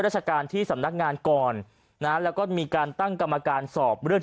ราชการที่สำนักงานก่อนนะแล้วก็มีการตั้งกรรมการสอบเรื่อง